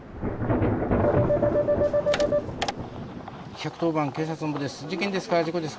☎１１０番警察本部です。